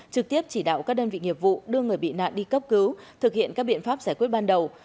trực tiếp chỉ đạo các đơn vị nghiệp vụ đưa người bị nạn đi cấp cứu thực hiện các biện pháp giải quyết ban đầu